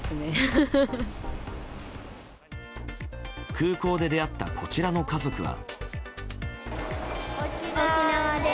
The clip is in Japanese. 空港で出会ったこちらの家族は。